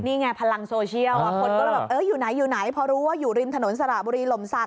นี่ไงพลังโซเชียลคนก็เลยแบบเอออยู่ไหนอยู่ไหนพอรู้ว่าอยู่ริมถนนสระบุรีหล่มศักด